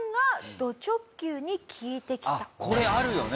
あっこれあるよね